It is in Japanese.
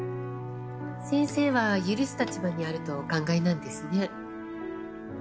先生は許す立場にあるとお考えなんですね。